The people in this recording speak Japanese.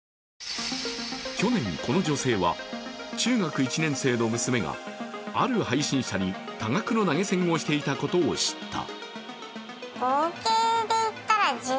去年この女性は中学１年生の娘がある配信者に多額の投げ銭をしていたことを知った。